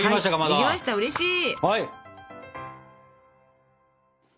はいできましたうれしい！